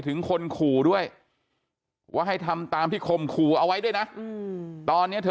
ถึงคนขู่ด้วยว่าให้ทำตามที่ข่มขู่เอาไว้ด้วยนะตอนนี้เธอ